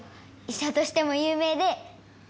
いしゃとしても有名で。